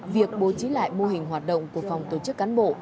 việc bố trí lại mô hình hoạt động của phòng tổ chức cán bộ